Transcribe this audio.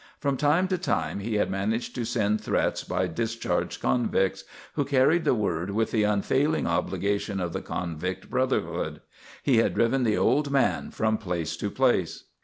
From time to time he had managed to send threats by discharged convicts, who carried the word with the unfailing obligation of the convict brotherhood. He had driven the old man from place to place.